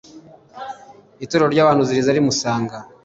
itorero ry'abahanuzi riza rimusanga